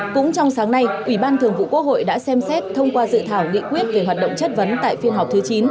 cũng trong sáng nay ủy ban thường vụ quốc hội đã xem xét thông qua dự thảo nghị quyết về hoạt động chất vấn tại phiên họp thứ chín